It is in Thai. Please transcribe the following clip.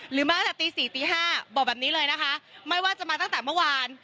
มาตั้งแต่ตีสี่ตีห้าบอกแบบนี้เลยนะคะไม่ว่าจะมาตั้งแต่เมื่อวาน